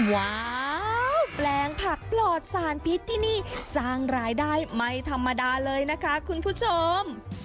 ว้าวแปลงผักปลอดสารพิษที่นี่สร้างรายได้ไม่ธรรมดาเลยนะคะคุณผู้ชม